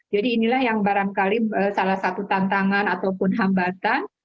jadi inilah yang barangkali salah satu tantangan ataupun hambatan